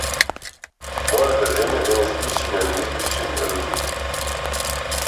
Мојата земја денес личи на неизбричен рудник.